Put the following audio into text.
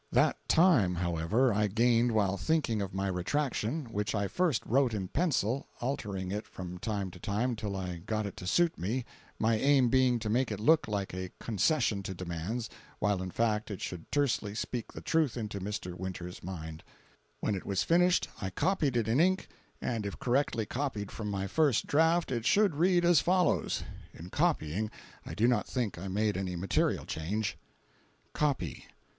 That time, however, I gained while thinking of my retraction, which I first wrote in pencil, altering it from time to time till I got it to suit me, my aim being to make it look like a concession to demands, while in fact it should tersely speak the truth into Mr. Winters' mind. When it was finished, I copied it in ink, and if correctly copied from my first draft it should read as follows. In copying I do not think I made any material change. COPY.